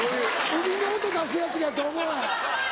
海の音出すやつやと思うわ。